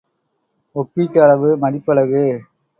ஒப்பீட்டு அளவு மதிப்பு அலகு.